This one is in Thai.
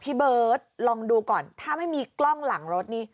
พี่เบิร์ตลองดูก่อนถ้าไม่มีกล้องหลังรถนี่